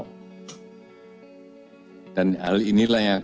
kedua indeks ekspektasi aktivitas bisnis atau iab